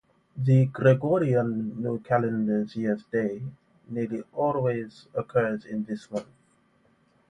The Gregorian New Year's Day nearly always occurs in this month.